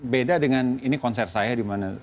beda dengan ini konser saya dimana